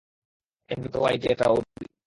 এমনিতেও আইডিয়াটা ওরই।